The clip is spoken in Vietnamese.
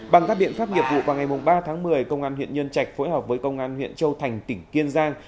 bằng các biện pháp nghiệp vụ vào ngày ba tháng một mươi công an huyện nhân trạch phối hợp với công an huyện châu thành tỉnh kiên giang